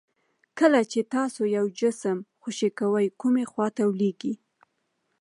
کله چې تاسو یو جسم خوشې کوئ کومې خواته لویږي؟